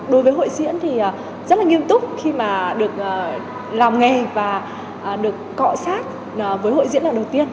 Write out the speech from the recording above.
đối với hội diễn thì rất là nghiêm túc khi mà được làm nghề và được cọ sát với hội diễn lần đầu tiên